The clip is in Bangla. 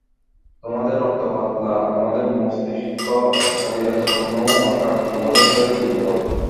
তোমাদের রক্ত পাতলা, তোমাদের মস্তিষ্ক আবিলতাপূর্ণ ও অসাড়, তোমাদের শরীর দুর্বল।